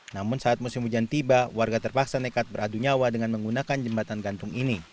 namun saat musim hujan tiba warga terpaksa nekat beradu nyawa dengan menggunakan jembatan gantung ini